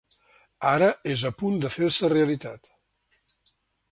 Ara és a punt de fer-se realitat.